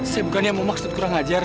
saya bukannya mau maksud kurang ajar